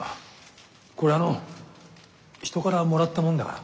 これあの人からもらったもんだから。